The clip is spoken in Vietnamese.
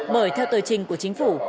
bởi theo tờ trình của chính phủ